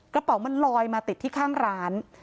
กระเป๋ามันลอยมาติดที่ข้างร้าน